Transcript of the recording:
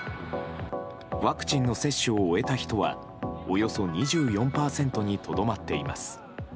ワクチンの接種を終えた人はおよそ２４％にとどまっています。